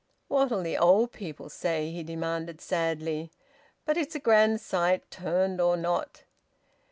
"What'll the old people say?" he demanded sadly. "But it's a grand sight, turned or not!"